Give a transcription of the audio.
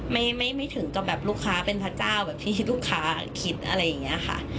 ไม่ไม่ถึงกับแบบลูกค้าเป็นพระเจ้าแบบที่ลูกค้าคิดอะไรอย่างนี้ค่ะ